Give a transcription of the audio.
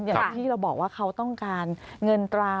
อย่างที่เราบอกว่าเขาต้องการเงินตรา